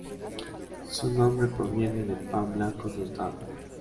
Su nombre proviene de Pan Blanco Tostado.